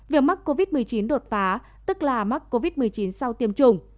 việc mắc covid một mươi chín đột phá tức là mắc covid một mươi chín sau tiêm chủng